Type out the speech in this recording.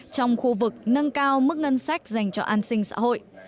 trong khu vực nâng cao mức ngân sách dành cho an sinh xã hội